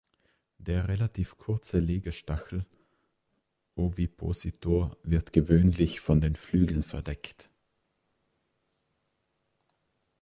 Der relativ kurze Legestachel (Ovipositor) wird gewöhnlich von den Flügeln verdeckt.